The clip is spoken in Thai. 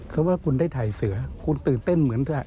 สมมุติว่าคุณได้ถ่ายเสือคุณตื่นเต้นเหมือนเธอ